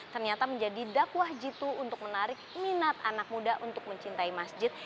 ternyata menjadi dakwah jitu untuk menarik minat anak muda untuk mencintai masjid